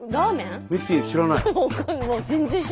ミキティ知らない？